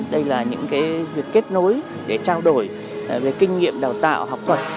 đây là những việc kết nối để trao đổi về kinh nghiệm đào tạo học thuật